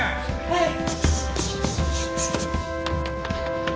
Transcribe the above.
はい。